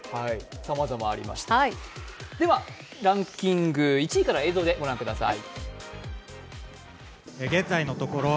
ではランキング、１位から映像でご覧ください。